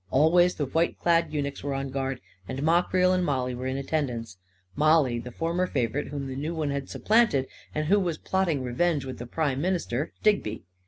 Always the white clad eunuchs were on guard; and Ma Creel and Mollie were in attendance — Mollie, the former 294 A KING IN BABYLON favorite whom the new one had supplanted, and who was plotting revenge with the prime minister — Digby.